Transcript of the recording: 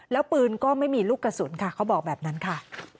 แล้วปืนก็ไม่มีลูกกระสุนค่ะเขาบอกแบบนั้นค่ะ